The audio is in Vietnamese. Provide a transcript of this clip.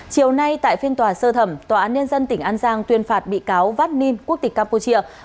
chiều nay tại phiên tòa sơ thẩm tòa án nhân dân tỉnh an giang tuyên phạt bị cáo văn ninh quốc tịch campuchia